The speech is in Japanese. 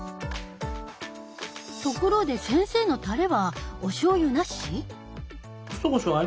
ところで先生のタレはおしょうゆなし？